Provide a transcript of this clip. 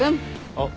あっ。